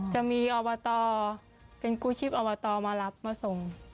จะมีอบตเป็นกู้ชีพอบตมารับมาส่ง